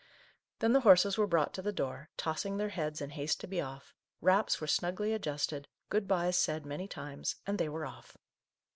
Then the horses were brought to the door, tossing their heads in haste to be off, wraps were snugly adjusted, good byes said many times, and they were off.